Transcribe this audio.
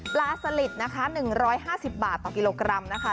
สลิดนะคะ๑๕๐บาทต่อกิโลกรัมนะคะ